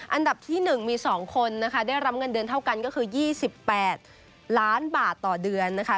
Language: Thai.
อันดับที่๑มี๒คนนะคะได้รับเงินเดือนเท่ากันก็คือ๒๘ล้านบาทต่อเดือนนะคะ